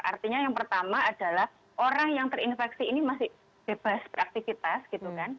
artinya yang pertama adalah orang yang terinfeksi ini masih bebas beraktivitas gitu kan